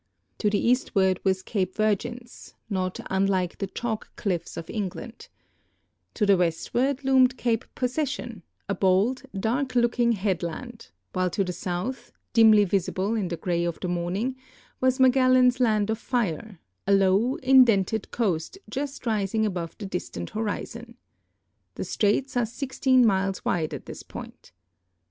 To the eastward was Cape Virgins, not unlike the chalk cliffs of England. To the westward loomed Cape Possession, a bold, WIXrJ'JR VOYAGE TlfROUGH STRAITS OF MAGELLAX i:]3 dark looking headland, while to tlie south, dindy visildo in the gray of the morning, Avas Magellan's Land of Fire — a low, in dented coast just rising altove the distant horizon. Tlie straits are 16 miles wide at this point.